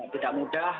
yang tidak mudah